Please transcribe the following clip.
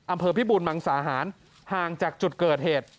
อำเภอพิบูรณ์มังสาหารห่างจากจุดเกิดเหตุ